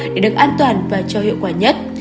để được an toàn và cho hiệu quả nhất